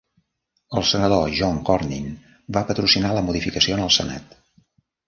El senador John cornyn va patrocinar la modificació en el Senat.